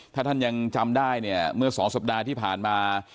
ถ้าท่านยังจำได้เนี่ยเมื่อ๒สัปดาห์ที่ผ่านมา